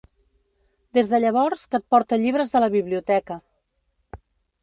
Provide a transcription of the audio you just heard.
Des de llavors que et porta llibres de la biblioteca.